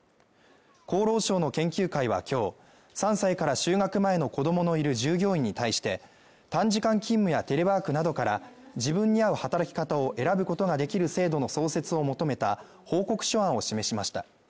厚労省の研究会は今日３歳から就学前の子供のいる従業員に対して短時間勤務やテレワークなどから自分に合う働き方を選ぶことができる制度の創設を求めた報告書案を示しました。